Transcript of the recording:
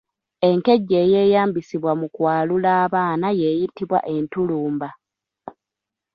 Enkejje eyeeyambisibwa mu kwalula abaana y’eyitibwa Entulumba.